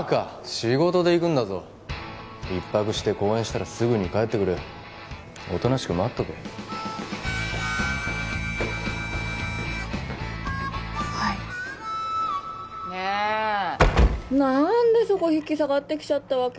仕事で行くんだぞ一泊して講演したらすぐに帰ってくるおとなしく待っとけはいねえ何でそこ引き下がってきちゃったわけ？